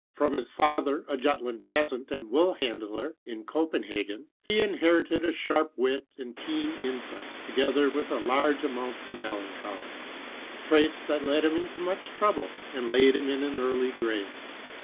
From his father, a Jutland peasant and woolhandler in Copenhagen, he inherited a sharp wit and keen Insight, together with a large amount of melanoioly, traits that led him into much trouble, and laid him in an earlv grave.